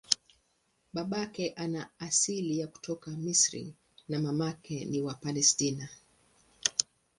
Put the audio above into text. Babake ana asili ya kutoka Misri na mamake ni wa Palestina.